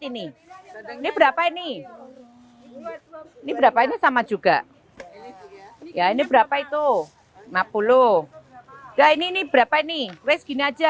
ini ini berapa ini ini berapa ini sama juga ya ini berapa itu lima puluh dah ini berapa ini rezeki aja